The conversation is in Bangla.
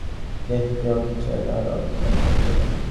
কেহ কেহ অর্থ চায়, তাহারা অর্থের জন্য কার্য করে।